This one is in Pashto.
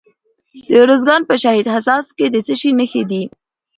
د ارزګان په شهید حساس کې د څه شي نښې دي؟